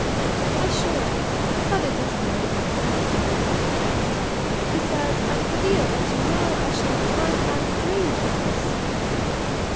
"I should. But it doesn't matter," said the girl. "Besides, I feel that to morrow I shall find I've dreamed all this."